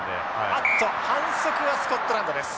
あっと反則はスコットランドです。